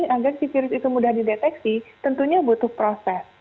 agar si virus itu mudah dideteksi tentunya butuh proses